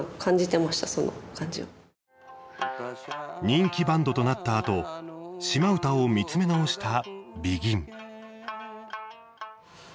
人気バンドとなったあと島唄を見つめ直したＢＥＧＩＮ。